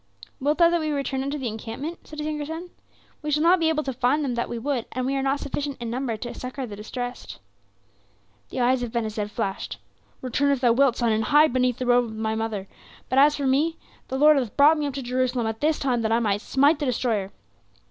"Wilt thou that we return unto the encampment?" said his younger son. "We shall not be able to find them that we would; and we are not sufficient in number to succor the distressed." The eyes of Ben Hesed flashed. "Return if thou wilt, son, and hide beneath the robe of thy mother; but as for me, the Lord hath brought me up to Jerusalem at this time that I might smite the destroyer."